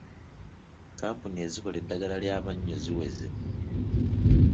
Kkampuni ezikola eddagala ly'amannyo ziweze.